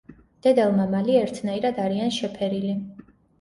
დედალ-მამალი ერთნაირად არიან შეფერილი.